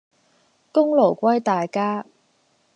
功勞歸大家